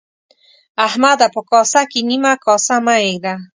احمده! په کاسه کې نيمه کاسه مه اېږده.